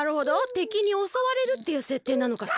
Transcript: てきにおそわれるっていうせっていなのかしら。